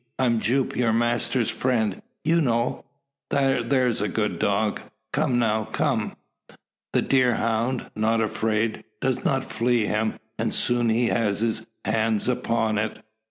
I'm Jupe, your master's friend, ye know. There's a good dog! Come now; come!" The deer hound, not afraid, does not flee him; and soon he has his hands upon it.